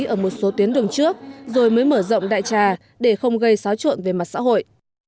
ở một số tuyến đường trước rồi mới mở rộng đại trà để không gây xáo trộn về mặt xã hội